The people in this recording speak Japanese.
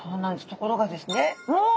ところがですねうおっ！